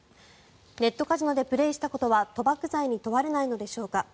ネットカジノでプレーしたことは賭博罪に問われないのでしょうか。